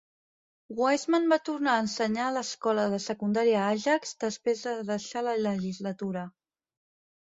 Wiseman va tornar a ensenyar a l'escola de secundària Ajax després de deixar la legislatura.